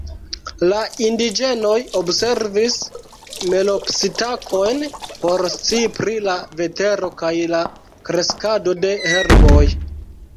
La indiĝenoj observis melopsitakojn por scii pri la vetero kaj la kreskado de herboj.